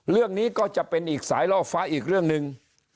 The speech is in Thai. เรื่องนี้ก็จะเป็นอีกสายล่อฟ้าอีกเรื่องหนึ่ง